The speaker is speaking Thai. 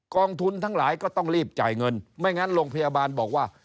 กองทุนทั้งหลายก็ต้องรีบจ่ายเงินไม่งั้นโรงพยาบาลบอกว่า